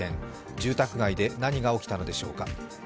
住宅街で何が起きたのでしょうか。